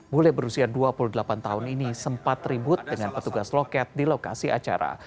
bule berusia dua puluh delapan tahun ini sempat ribut dengan petugas loket di lokasi acara